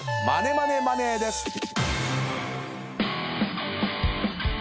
マネマネマネーです。